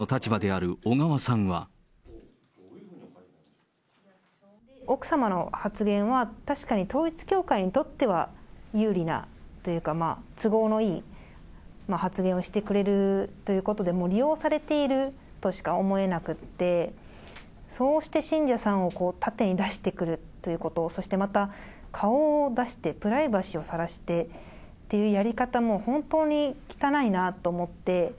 そういう人間をああいうふうに出すということはですよね、僕は異この教団の対応について、元奥様の発言は、確かに統一教会にとっては有利なというか、都合のいい発言をしてくれるということで、利用されているとしか思えなくて、そうして信者さんを盾に出してくるということ、そしてまた、顔を出して、プライバシーをさらしてっていうやり方も本当に汚いなと思って。